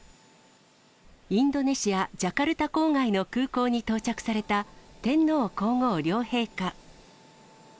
インドネシア・ジャカルタ郊外の空港に到着された天皇皇后両陛下。